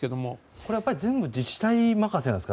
これはやっぱり全部自治体任せなんですか。